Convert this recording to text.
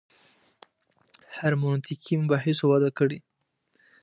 هرمنوتیکي مباحثو وده کړې.